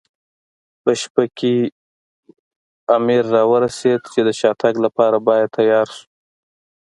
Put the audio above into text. په شپه کې امر را ورسېد، چې د شاتګ لپاره باید تیار شو.